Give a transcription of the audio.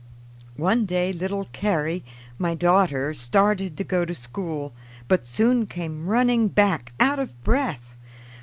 One day little Carrie, my daughter, started to go to school, but soon came running back out of breath.